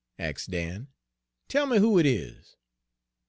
ax' Dan. 'Tell me who it is.'